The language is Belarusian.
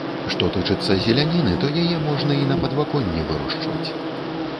Што тычыцца зеляніны, то яе можна і на падваконні вырошчваць.